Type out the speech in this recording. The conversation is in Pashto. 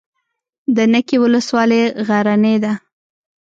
د نکې ولسوالۍ غرنۍ ده